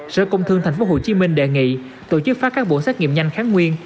sở công thương tp hcm đề nghị tổ chức phát các bộ xét nghiệm nhanh kháng nguyên